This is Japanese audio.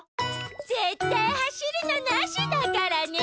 ぜったいはしるのなしだからね！